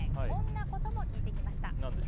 こんなことも聞いてきました。